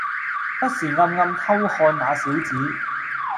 不時暗暗偷看那小子